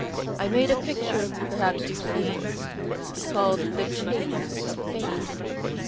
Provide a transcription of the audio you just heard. "I made a picture perhaps you've seen, 'tis called the `Chase of Fame.'